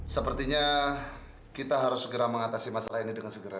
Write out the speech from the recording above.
sepertinya kita harus segera mengatasi masalah ini dengan segera